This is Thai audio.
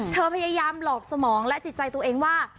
พยายามหลอกสมองและจิตใจตัวเองว่า